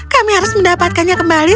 kami harus mendapatkannya kembali